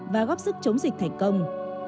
và góp sức chống dịch thành công